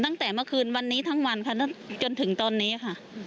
ตั้งแต่เมื่อคืนวันนี้ทั้งวันค่ะจนถึงตอนนี้ค่ะ